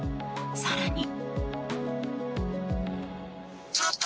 更に。